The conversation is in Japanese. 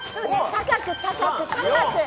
高く高く高く！